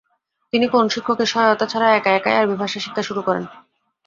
তিনি কোন শিক্ষকের সহায়তা ছাড়া একা একাই আরবীভাষা শিক্ষা শুরু করেন।